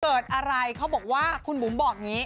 เกิดอะไรเขาบอกว่าคุณบุ๋มบอกอย่างนี้